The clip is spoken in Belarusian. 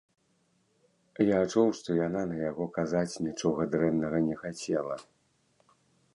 Я чуў, што яна на яго казаць нічога дрэннага не хацела.